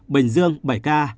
bình dương bảy ca